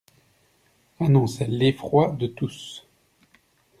Annonçait l'effroi de tous.